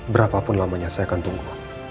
berapapun lamanya saya akan tunggu